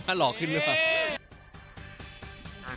แบบว่าหล่อขึ้นหรือเปล่า